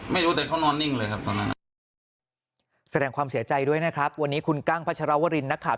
ไม่รู้แต่เขานอนนิ่งเลยครับตอนนั้นแสดงความเสียใจด้วยนะครับวันนี้คุณกั้งพัชรวรินนักข่าว